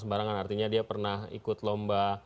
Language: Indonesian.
sembarangan artinya dia pernah ikut lomba